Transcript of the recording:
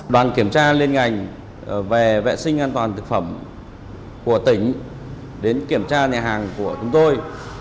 đoàn kiểm tra liên ngành về vệ sinh an toàn thực phẩm của tỉnh đến kiểm tra nhà hàng của chúng tôi